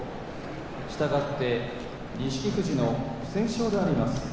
したがって錦富士の不戦勝であります。